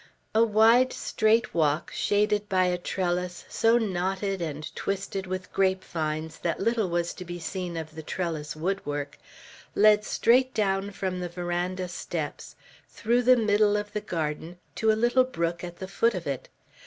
A wide straight walk shaded by a trellis so knotted and twisted with grapevines that little was to be seen of the trellis wood work, led straight down from the veranda steps, through the middle of the garden, to a little brook at the foot of it.